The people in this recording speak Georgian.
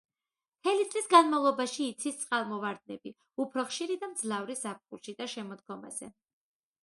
მთელი წლის განმავლობაში იცის წყალმოვარდნები, უფრო ხშირი და მძლავრი ზაფხულში და შემოდგომაზე.